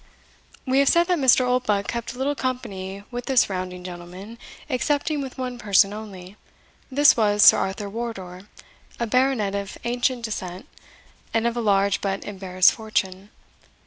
We have said that Mr. Oldbuck kept little company with the surrounding gentlemen, excepting with one person only. This was Sir Arthur Wardour, a baronet of ancient descent, and of a large but embarrassed fortune.